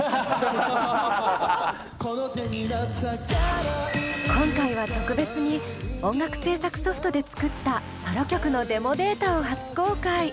何か今回は特別に音楽制作ソフトで作ったソロ曲のデモデータを初公開。